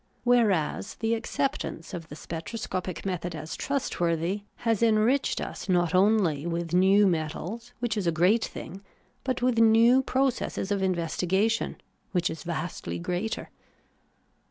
Wliereas the acceptance of the spectroscopic method as trustworthy has enriched us not only with new metals, which is a great thing, but with new processes of investigation, which is vastly greater.